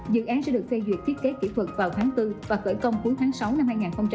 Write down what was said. dự án sẽ được phê duyệt thiết kế kỹ thuật vào tháng bốn và khởi công cuối tháng sáu năm hai nghìn hai mươi